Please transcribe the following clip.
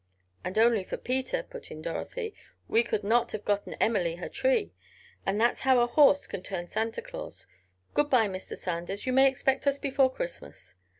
"And only for Peter," put in Dorothy, "we could not have gotten Emily her tree. Now that's how a horse can turn Santa Claus. Good bye, Mr. Sanders, you may expect us before Christmas."